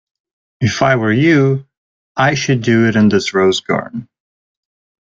If I were you, I should do it in this rose garden.